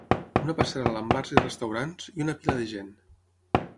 Una passarel·la amb bars i restaurants, i una pila de gent.